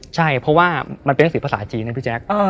ใช่เพราะว่ามันเป็นหนังสือภาษาจีนนะพี่แจ๊ค